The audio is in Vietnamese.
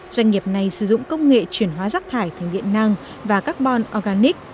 doanh nghiệp này sử dụng công nghệ chuyển hóa rắc thải thành điện năng và carbon organic